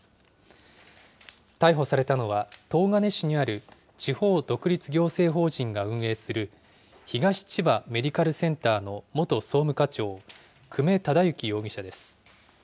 逮捕されたのは、東金市にある地方独立行政法人が運営する、東千葉メディカルセンターの元総務課長、久米忠之容疑者です。